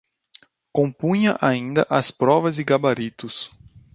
Compunha ainda as provas e gabaritos